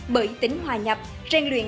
bởi tính hòa nhập rèn luyện